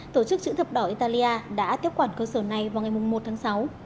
tổ chức chữ thập đỏ italia đã tiếp quản cơ sở này vào ngày một tháng sáu